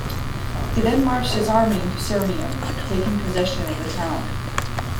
He then marched his army into Sirmium, taking possession of the town.